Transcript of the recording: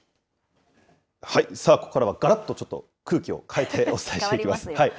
さあ、ここからはがらっとちょっと空気を変えてお伝えしていきます。